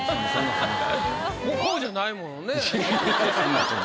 もうこうじゃないものね。